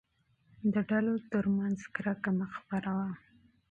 د ډلو ترمنځ دښمني مه خپروه.